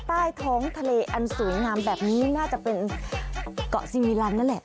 ใต้ท้องทะเลอันสวยงามแบบนี้น่าจะเป็นเกาะซีมิลันนั่นแหละ